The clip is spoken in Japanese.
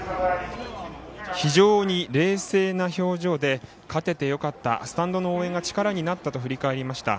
非常に冷静な表情で勝ててよかったスタンドの応援が力になったと振り返りました。